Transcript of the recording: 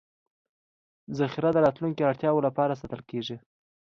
ذخیره د راتلونکو اړتیاوو لپاره ساتل کېږي.